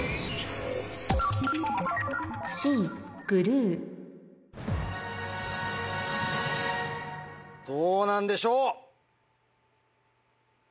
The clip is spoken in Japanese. グルーどうなんでしょう？